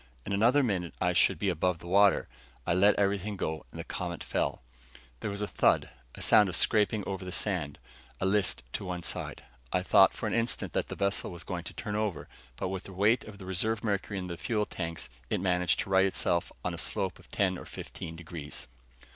In another minute I should be above the water. I let everything go, and the Comet fell. There was a thud, a sound of scraping over the sand, a list to one side. I thought for an instant that the vessel was going to turn over, but with the weight of the reserve mercury in the fuel tanks it managed to right itself on a slope of ten or fifteen degrees.